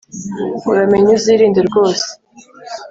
uramenye uzirinde rwose